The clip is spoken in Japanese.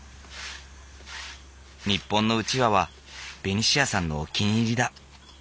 日本のうちわはベニシアさんのお気に入りだ。